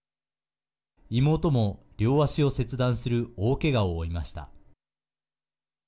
妹も両足を切断する大けがを負いました。